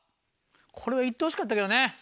これは行ってほしかったけどね。